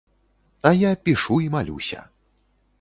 А я пішу і малюся.